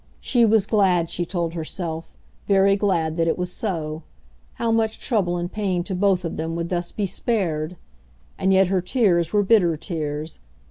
She was glad, she told herself, very glad that it was so. How much trouble and pain to both of them would thus be spared! And yet her tears were bitter tears.